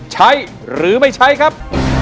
ใช้หรือไม่ใช้ครับ